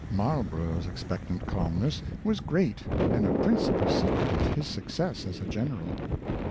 Marlborough's expectant calmness was great, and a principal secret of his success as a gen eral.